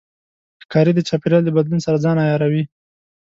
ښکاري د چاپېریال د بدلون سره ځان عیاروي.